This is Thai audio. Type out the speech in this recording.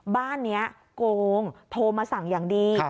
บ้านนี้โกงโทรมาสั่งอย่างดี